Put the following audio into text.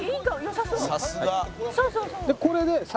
「さすが！」